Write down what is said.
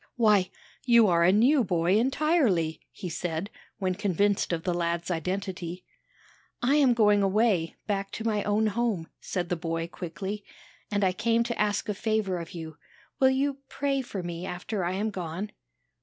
"Why, you are a new boy entirely!" he said when convinced of the lad's identity. "I am going away, back to my own home." said the boy, quickly, "and I came to ask a favor of you. Will you pray for me after I am gone?"